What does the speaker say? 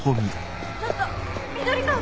ちょっと緑川さん！